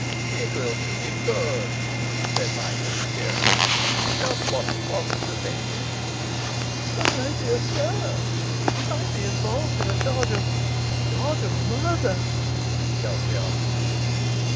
'It will do him good,' said Michael cheerily. 'Just what he wants to steady him.' 'But, my dear sir, he might be involved in a charge of a charge of murder,' gulped the artist.